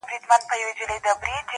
فرنګ به تر اورنګه پوري پل په وینو یوسي،